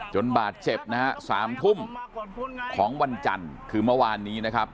บาดเจ็บนะฮะ๓ทุ่มของวันจันทร์คือเมื่อวานนี้นะครับ